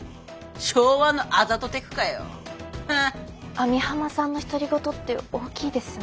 網浜さんの独り言って大きいですね。